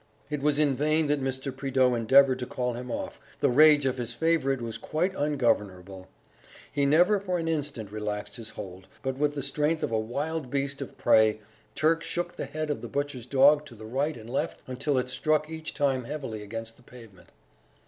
It was in vain that Mr. Prideaux endeavoured to call him off, the rage of his favourite was quite ungovernable; he never for an instant relaxed his hold, but with the strength of a wild beast of prey, Turk shook the head of the butcher's dog to the right and left until it struck each time heavily against the pavement